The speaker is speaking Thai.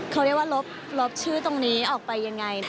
เขาเรียกว่าลบชื่อตรงนี้ออกไปยังไง